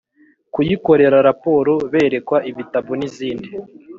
kuyikorera raporo Berekwa ibitabo n izindi